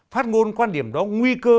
phát ngôn quan điểm đó nguy cơ